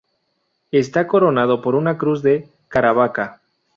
Está coronado por una Cruz de Caravaca.